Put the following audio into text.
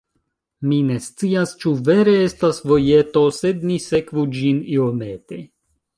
Mi ne scias, ĉu vere estas vojeto, sed ni sekvu ĝin iomete.